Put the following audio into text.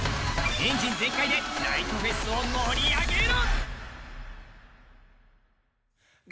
エンジン全開でナイトＦｅｓ．を盛り上げろ！